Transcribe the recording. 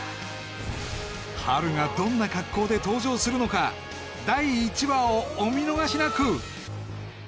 ハルがどんな格好で登場するのか第１話をお見逃しなく！